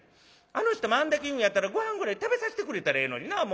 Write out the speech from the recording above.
あの人もあんだけ言うんやったらごはんぐらい食べさしてくれたらええのになあ